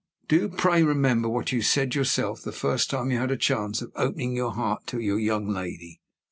Do pray remember what you said yourself, the first time you had the chance of opening your heart to your young lady.